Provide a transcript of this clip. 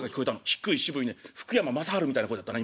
低い渋いね福山雅治みたいな声だったね